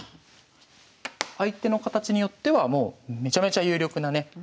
相手の形によってはもうめちゃめちゃ有力なね